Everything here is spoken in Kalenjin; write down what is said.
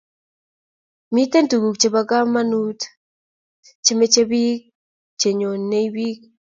Miten tuguk chebo kamanuut chemechee biik chenyoi biik